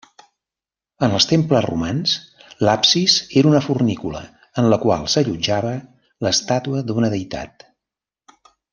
En els temples romans l'absis era una fornícula en la qual s'allotjava l'estàtua d'una deïtat.